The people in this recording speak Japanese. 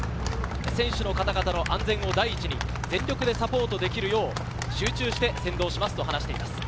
選手の方々の安全を第一に全力でサポートできるよう集中して先導しますと話しています。